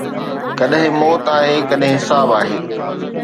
ڪڏهن موت آهي، ڪڏهن حساب آهي